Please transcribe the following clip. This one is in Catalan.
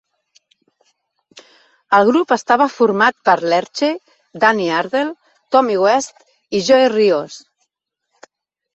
El grup estava format per Lerchey, Danny Ardell, Tommy West i Joe Rios.